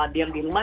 diam di rumah